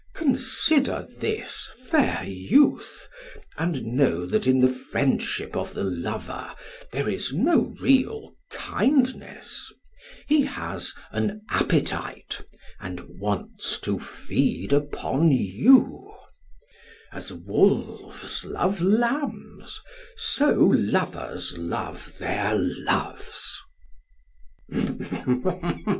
Consider this, fair youth, and know that in the friendship of the lover there is no real kindness; he has an appetite and wants to feed upon you: 'As wolves love lambs so lovers love their loves.'